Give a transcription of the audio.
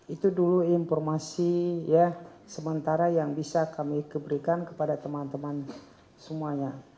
itu dulu informasi ya sementara yang bisa kami berikan kepada teman teman semuanya